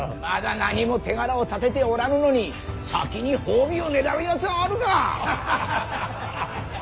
まだ何も手柄を立てておらぬのに先に褒美をねだるやつがあるか。